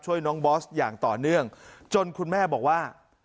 น้องบอสอย่างต่อเนื่องจนคุณแม่บอกว่า